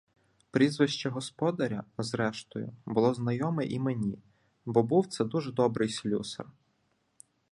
Прізвище господаря, зрештою, було знайоме і мені, бо був це дуже добрий слюсар.